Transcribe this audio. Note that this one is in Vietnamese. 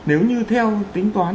nếu như theo tính toán